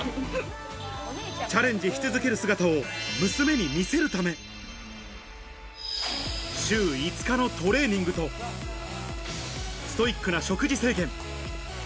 チャレンジし続ける姿を娘に見せるため、週５日のトレーニングとストイックな食事制限。